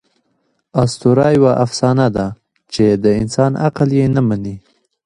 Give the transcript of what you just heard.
آسطوره یوه افسانه ده، چي د انسان عقل ئې نه مني.